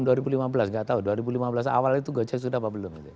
tidak tahu dua ribu lima belas awal itu gojek sudah apa belum